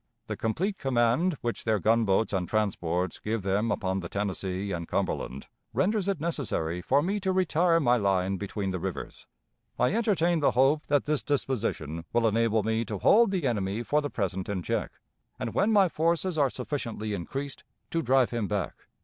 The complete command which their gunboats and transports give them upon the Tennessee and Cumberland renders it necessary for me to retire my line between the rivers. I entertain the hope that this disposition will enable me to hold the enemy for the present in check, and, when my forces are sufficiently increased, to drive him back."